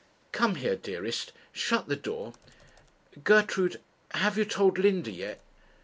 'Come here, dearest; shut the door. Gertrude, have you told Linda yet?'